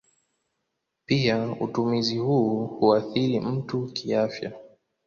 Pia utumizi huu huathiri mtu kiafya.